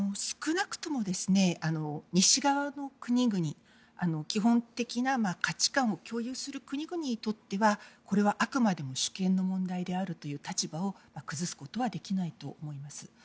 少なくとも西側の国々基本的な価値観を共有する国々にとってはこれはあくまでも主権の問題であるという立場を崩すことはできないと思います。